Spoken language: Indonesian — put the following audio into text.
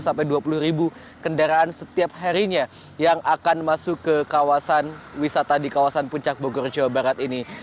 sampai dua puluh ribu kendaraan setiap harinya yang akan masuk ke kawasan wisata di kawasan puncak bogor jawa barat ini